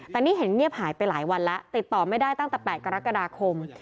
แต่นี่เห็นเงียบหายไปหลายวันแล้วติดต่อไม่ได้ตั้งแต่๘กรกฎาคม